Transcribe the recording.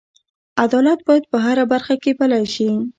عدالت باید په هره برخه کې پلی شي.